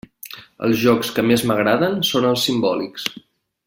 Els jocs que més m'agraden són els simbòlics.